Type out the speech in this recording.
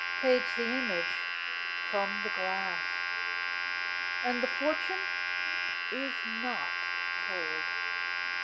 Fades the image from the glass, And the fortune is not told.